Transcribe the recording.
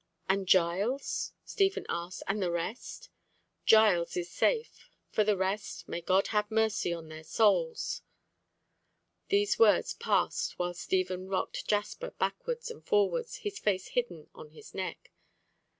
"And Giles?" Stephen asked, "and the rest?" "Giles is safe. For the rest—may God have mercy on their souls." These words passed while Stephen rocked Jasper backwards and forwards, his face hidden on his neck.